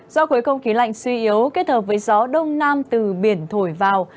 do khối không khí lạnh suy yếu kết hợp với gió đông nam từ biển thổi vào